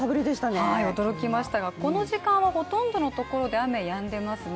驚きましたが、この時間はほとんどのところで雨はやんでいますね。